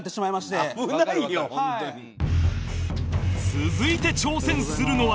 続いて挑戦するのは